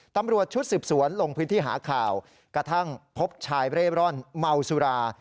ตำรวจชุดสืบสวนลงพื้นที่หาข่าวกระทั่งพบชายเร่ร่อนเมาสุรา